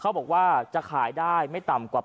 เขาบอกว่าจะขายได้ไม่ต่ำกว่า